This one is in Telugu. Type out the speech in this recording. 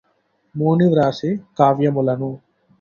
మూని వ్రాసె కావ్యములను